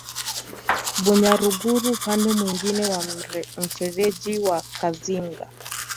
Bunyaruguru upande mwingine wa mfereji wa Kazinga